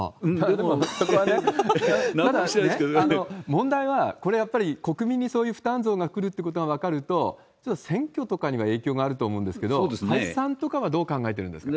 でもそこはね、ただ、問題は、これはやっぱり国民にそういう負担増がくるということが分かると、選挙とかには影響があると思うんですけれども、岸田さんとかはどう考えてるんですか？